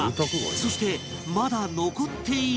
そしてまだ残っているのか？